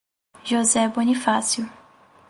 José Bonifácio